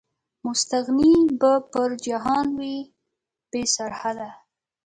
مستغني به پر جهان وي، بې سرحده